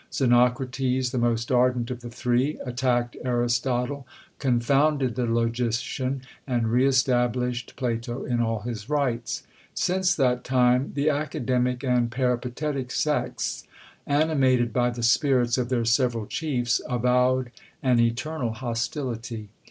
Xenocrates, the most ardent of the three, attacked Aristotle, confounded the logician, and re established Plato in all his rights. Since that time the academic and peripatetic sects, animated by the spirits of their several chiefs, avowed an eternal hostility.